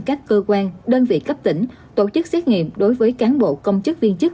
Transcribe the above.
các cơ quan đơn vị cấp tỉnh tổ chức xét nghiệm đối với cán bộ công chức viên chức